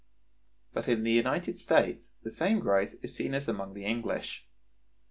But in the United States the same growth is seen as among the English.